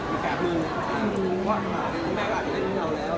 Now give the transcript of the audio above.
มันก็เหมือนกับว่าแม่งอนเล่นกับเราแล้ว